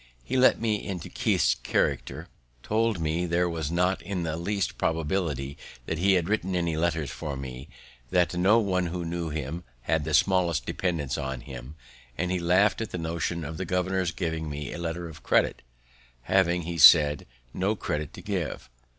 He let me into Keith's character; told me there was not the least probability that he had written any letters for me; that no one, who knew him, had the smallest dependence on him; and he laught at the notion of the governor's giving me a letter of credit, having, as he said, no credit to give.